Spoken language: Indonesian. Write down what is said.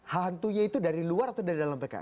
hantunya itu dari luar atau dari dalam pks